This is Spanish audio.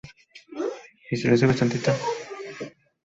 A su muerte, donó la colección al Museo Metropolitano de Arte.